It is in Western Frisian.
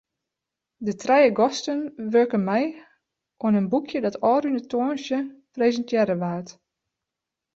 De trije gasten wurken mei oan in boekje dat ôfrûne tongersdei presintearre waard.